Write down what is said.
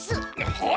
はい！